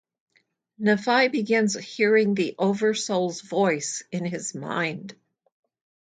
Nafai begins hearing the Oversoul's voice in his mind.